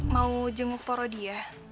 mau jemuk poro dia